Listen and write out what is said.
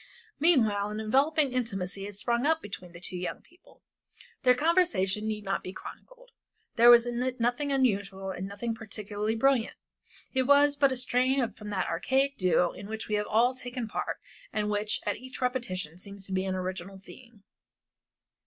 Meanwhile an enveloping intimacy had sprung up between the two young people. Their conversation need not be chronicled. There was in it nothing unusual and nothing particularly brilliant; it was but a strain from that archaic duo in which we have all taken part and which at each repetition seems an original theme.